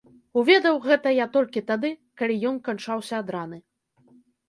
Уведаў гэта я толькі тады, калі ён канчаўся ад раны.